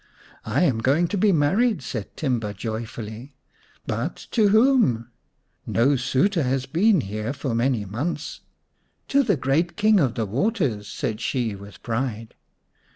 " I am going to be married," said Timba joy fully. " But to whom ? No suitor has been here for many months." " To the great King of the Waters," said she with pride.